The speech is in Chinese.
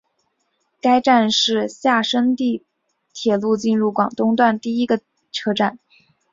该站是厦深铁路进入广东段第一个车站。